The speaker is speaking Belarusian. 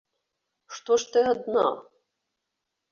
Што ж ты адна?